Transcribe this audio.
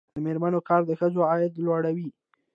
د میرمنو کار د ښځو عاید لوړوي.